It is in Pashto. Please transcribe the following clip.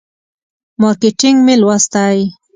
مارکیټینګ مې لوستی.